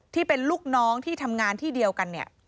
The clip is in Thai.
ที่เป็นลูกน้องที่ทำงานที่เดียวกันเนี่ย